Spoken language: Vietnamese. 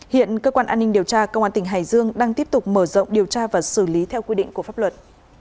hiện cơ quan an ninh điều tra công an tỉnh hải dương đang tiếp tục mở rộng điều tra và xử lý theo quy định của pháp luật